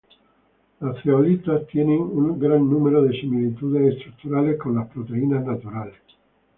Las zeolitas tienen un gran número de similitudes estructurales con las proteínas naturales.